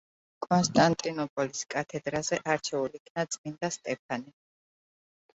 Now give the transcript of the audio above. კონსტანტინოპოლის კათედრაზე არჩეულ იქნა წმინდა სტეფანე.